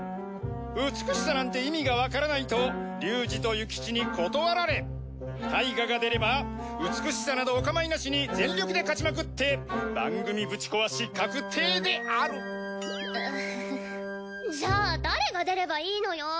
美しさなんて意味がわからないと龍二と諭吉に断られタイガが出れば美しさなどおかまいなしに全力で勝ちまくって番組ぶち壊し確定であるじゃあ誰が出ればいいのよ？